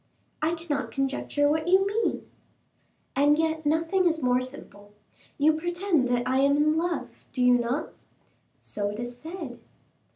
"I cannot conjecture what you mean." "And yet nothing is more simple. You pretend that I am in love, do you not?" "So it is said."